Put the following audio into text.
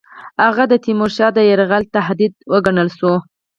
هغه د تیمورشاه د یرغل تهدید وګڼل شو.